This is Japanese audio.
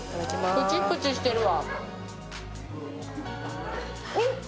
プチプチしてるわ。